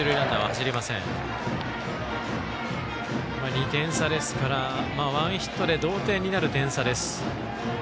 ２点差ですからワンヒットで同点になる点差です。